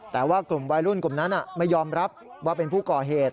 แต่ว่ากลุ่มวัยรุ่นกลุ่มนั้นไม่ยอมรับว่าเป็นผู้ก่อเหตุ